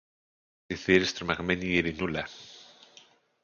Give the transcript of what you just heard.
ψιθύρισε τρομαγμένη η Ειρηνούλα.